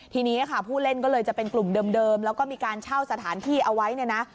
ทีนี้ค่ะผู้เล่นก็เลยจะเป็นกลุ่มเดิมแล้วก็มีการเช่าสถานที่เอาไว้เนี่ยนะ